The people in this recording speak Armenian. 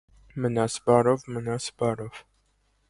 Մնաս բարով, մնաս բարով: